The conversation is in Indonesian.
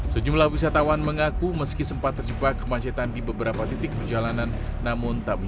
sejumlah wisatawan mengaku meski sempat terjebak kemacetan di beberapa titik perjalanan namun tak